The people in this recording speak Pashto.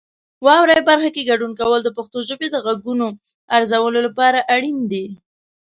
واورئ برخه کې ګډون کول د پښتو ژبې د غږونو ارزولو لپاره اړین دي.